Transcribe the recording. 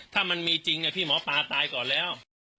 ถ้ามันมีจริงพี่หมอปลาตายก่อนแล้ว